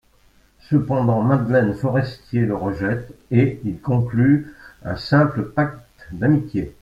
Cependant, Madeleine Forestier le rejette, et ils concluent un simple pacte d’amitié.